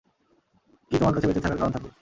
কি তোমার কাছে বেঁচে থাকার কারণ থাকুক।